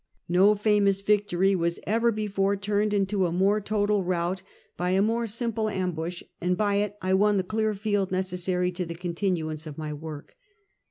No famous victory was ever before turned into a more total rout by a more simple ambush, and by it I won the clear field necessary to the continuance of ray work.